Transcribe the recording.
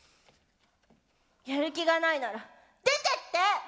やる気がないなら出てって！